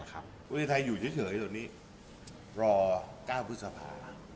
วิทยาลัยไทยอยู่เฉยรอ๙พฤษภาท์